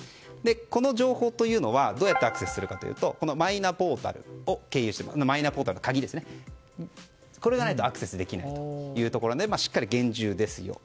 この情報というのはどうやってアクセスするかというとマイナポータルが鍵で経由してこれがないとアクセスできないということでしっかり厳重ですよと。